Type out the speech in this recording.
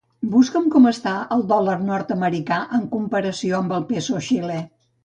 Busca'm com està el dòlar nord-americà en comparació amb el peso xilè.